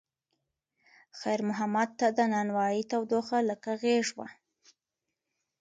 خیر محمد ته د نانوایۍ تودوخه لکه غېږ وه.